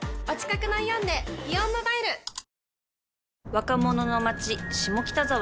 若者の街下北沢